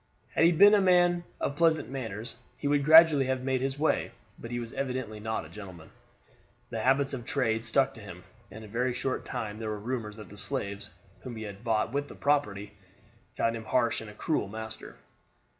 Had he been a man of pleasant manners, he would gradually have made his way; but he was evidently not a gentleman. The habits of trade stuck to him, and in a very short time there were rumors that the slaves, whom he had bought with the property, found him a harsh and cruel master.